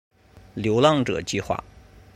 流浪者计画